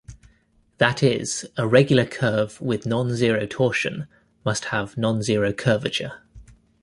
That is, a regular curve with nonzero torsion must have nonzero curvature.